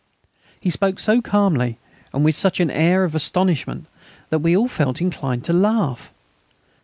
He spoke so calmly and with such an air of astonishment that we all felt inclined to laugh.